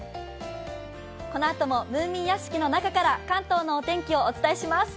このあともムーミン屋敷の中から関東のお天気をお伝えします。